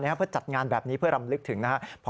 เพื่อจัดงานแบบนี้พอรำลึกถึง